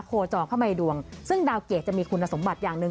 โคจรเข้ามาในดวงซึ่งดาวเกรดจะมีคุณสมบัติอย่างหนึ่ง